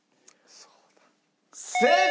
正解！